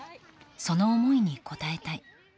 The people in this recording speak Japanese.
その思いに応えたい。